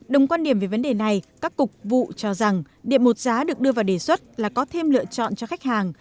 đồng quan điểm về vấn đề này các cục vụ cho rằng điện một giá được đưa vào đề xuất là có thêm lựa chọn cho khách hàng